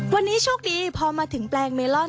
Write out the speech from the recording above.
วันนี้โชคดีพอมาถึงแปลงเมลอน